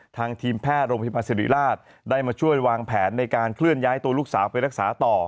ทางทีมแพทย์โรงพยาบาลสิริราชได้มาช่วยวางแผนในการเคลื่อนย้ายตัวลูกสาวไปรักษาต่อ